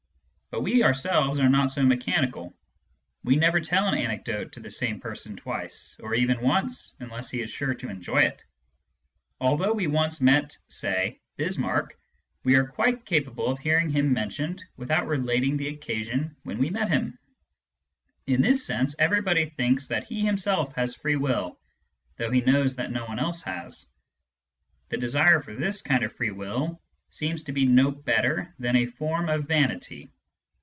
But we ourselves are not so mecha nical : we never tell an anecdote to the same person twice, Digitized by Google ON THE NOTION OF CAUSE 229 or even once unless he is sure to enjoy it ; although we once met (say) Bismarck, we are quite capable of hearing him mentioned without relating the occasion when we met him. In this sense, everybody thinks that he him self has free will, though he knows that no one else has. The desire for this kind of free will seems to be no better than a form of vanity.